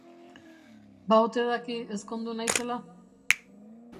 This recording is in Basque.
Ba ote daki ezkondu naizela?